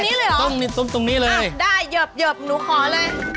ต้มตรงนี้เลยเหรอต้มตรงนี้เลยอ่าได้เหยิบหนูขอเลย